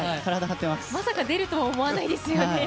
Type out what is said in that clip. まさか出るとは思わないですよね。